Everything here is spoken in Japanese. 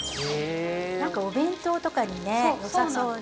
何かお弁当とかにねよさそうね。